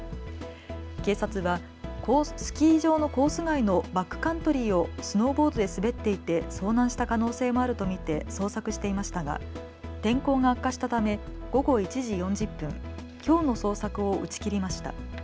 警察はスキー場のコース外のバックカントリーをスノーボードで滑っていて遭難した可能性もあると見て捜索していましたが天候が悪化したため午後１時４０分、きょうの捜索を打ち切りました。